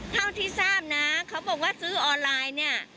เท่าที่ทราบนะเขาบอกว่าซื้อออนไลน์เนี่ย